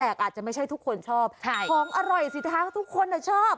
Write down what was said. อาจจะไม่ใช่ทุกคนชอบของอร่อยสิคะทุกคนชอบ